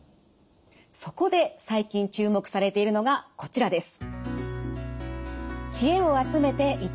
そこで最近注目されているのがこちらです。